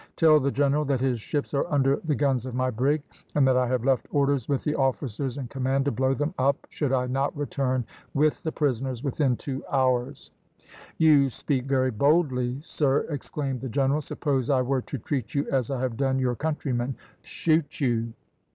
"Tell the general that his ships are under the guns of my brig, and that I have left orders with the officers in command to blow them up should I not return with the prisoners within two hours." "You speak very boldly, sir!" exclaimed the general; "suppose I were to treat you as I have done your countrymen shoot you."